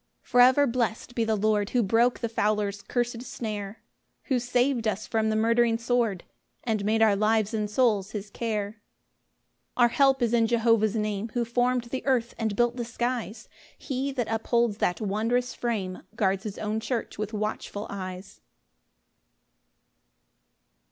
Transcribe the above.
4 For ever blessed be the Lord, Who broke the fowler's cursed snare, Who sav'd us from the murdering sword, And made our lives and souls his care. 5 Our help is in Jehovah's Name, Who form'd the earth and built the skies; He that upholds that wondrous frame Guards his own church with watchful eyes.